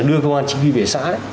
đưa công an chính quy về xã